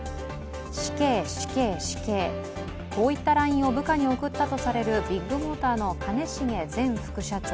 死刑死刑死刑、こういったＬＩＮＥを部下に送ったとされるビッグモーターの兼重前副社長。